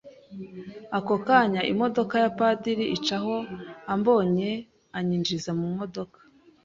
ako kanya imodoka yapadiri icaho ambonye anyinjiza mu modoka.